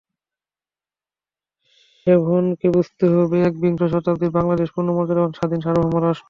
শেভরনকে বুঝতে হবে একবিংশ শতাব্দীর বাংলাদেশ পূর্ণ মর্যাদাবান স্বাধীন স্বার্বভৌম রাষ্ট্র।